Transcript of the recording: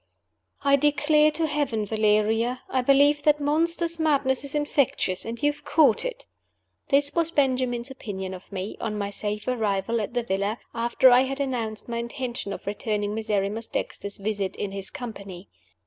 "I DECLARE to Heaven, Valeria, I believe that monster's madness is infectious and you have caught it!" This was Benjamin's opinion of me (on my safe arrival at the villa) after I had announced my intention of returning Miserrimus Dexter's visit, in his company.